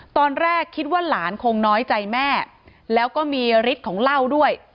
ตอนแรกคิดว่าหลานคงน้อยใจแม่แล้วก็มีฤทธิ์ของเหล้าด้วย